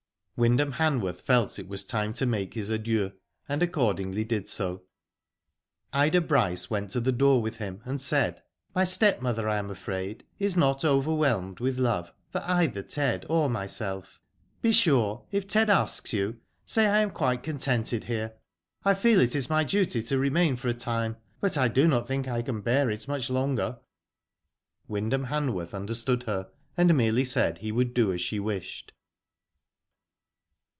Wyndham Hanworth felt it was time to make his adieu, and accordingly did so. Ida Bryce went to the door with him, and said :" My stepmother, I am afraid, is not overwhelmed with love for either Ted or myself. Be sure if Ted asks you, say I am quite contented here. I feel it is my duty to remain for a time, but I do not think I can bear it much longer." Wyndham Hanworth understood her, and merely said he would do as she wished.